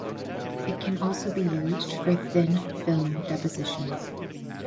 It can also be used for thin film deposition.